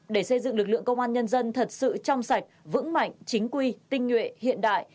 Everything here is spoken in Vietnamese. để xây dựng lực lượng công an nhân dân thật sự trong sạch vững mạnh chính quy tinh nguyện hiện đại